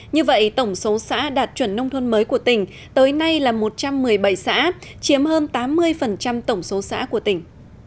như vậy tổng số xã đạt chuẩn nông thôn mới của tỉnh tới nay là một trăm một mươi bảy xã chiếm hơn tám mươi tổng số xã của tỉnh